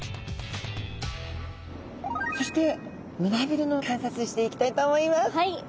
そして胸びれの観察していきたいと思います。